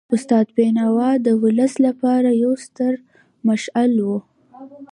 استاد بینوا د ولس لپاره یو ستر مشعل و.